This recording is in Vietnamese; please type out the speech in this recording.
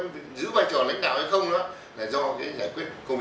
là do cái giải quyết công việc này